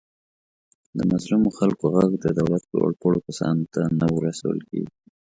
د مظلومو خلکو غږ د دولت لوپوړو کسانو ته نه ورسول کېږي.